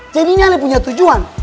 jadi ini ale punya tujuan